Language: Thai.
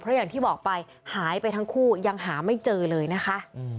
อย่างที่บอกไปหายไปทั้งคู่ยังหาไม่เจอเลยนะคะ